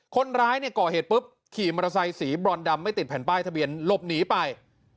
คนร้ายเนี่ยก่อเหตุปุ๊บขี่มอเตอร์ไซค์สีบรอนดำไม่ติดแผ่นป้ายทะเบียนหลบหนีไป